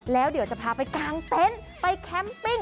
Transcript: แล้วเดี๋ยวจะพาไปกางเต็นต์ไปแคมปิ้ง